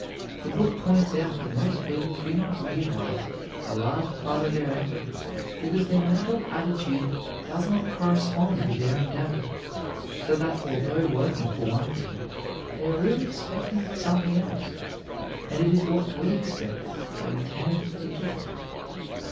The book points out that most people do not utilize a large part of their effort because their mental attitude does not correspond with their endeavor, so that although working for one thing, they are really expecting something else; and it is what we expect that we tend to get.